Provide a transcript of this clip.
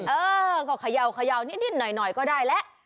เออก็เขย่านิดหน่อยก็ได้แล้ว